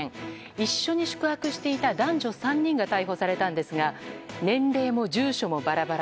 一緒に宿泊していた男女３人が逮捕されたんですが年齢も住所もバラバラ。